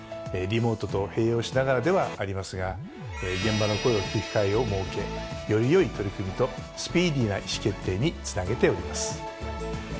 リモートと併用しながらではありますが現場の声を聞く機会を設けより良い取り組みとスピーディーな意思決定につなげております。